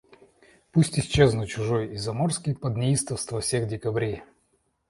Пусть исчезну, чужой и заморский, под неистовства всех декабрей.